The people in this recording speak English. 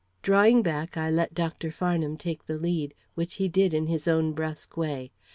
Drawing back, I let Dr. Farnham take the lead, which he did in his own brusque way.